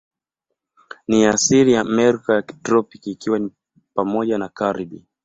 Ni asili ya Amerika ya kitropiki, ikiwa ni pamoja na Karibi.